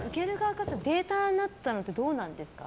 データになったのってどうなんですか？